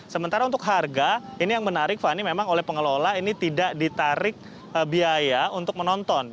sementara untuk harga ini yang menarik fani memang oleh pengelola ini tidak ditarik biaya untuk menonton